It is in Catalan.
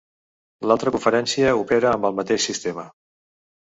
L'altra conferència opera amb el mateix sistema.